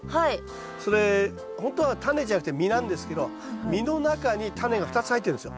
それほんとはタネじゃなくて実なんですけど実の中にタネが２つ入ってるんですよ。